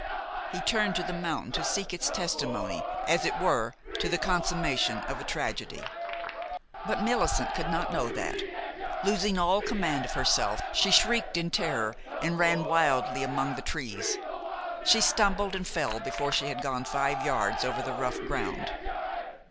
He turned to the mountain to seek its testimony, as it were, to the consummation of a tragedy. But Millicent could not know that. Losing all command of herself, she shrieked in terror, and ran wildly among the trees. She stumbled and fell before she had gone five yards over the rough ground.